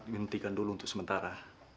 dihentikan dulu untuk sementara